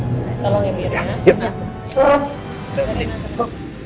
tolong ya biar enggak